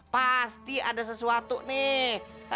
pasti ada sesuatu nih